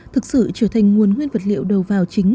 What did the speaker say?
thực sự trở thành nguồn nguyên vật liệu đầu vào chính